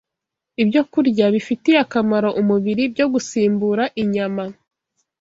ibyokurya bifitiye akamaro umubiri byo gusimbura inyama